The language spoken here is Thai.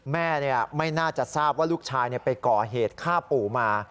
แม่ไม่น่าจะทราบว่าลูกชายไปก่อเหตุฆ่าปู่มา